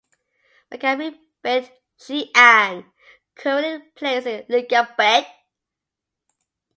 Maccabi Beit She'an currently plays in Liga Bet.